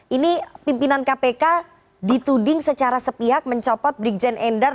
ini pimpinan kpk dituding secara sepihak mencopot brigjen endar